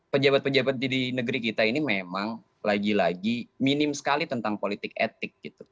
pejabat pejabat di negeri kita ini memang lagi lagi minim sekali tentang politik etik